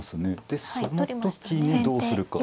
でその時にどうするか。